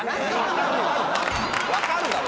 わかるだろ！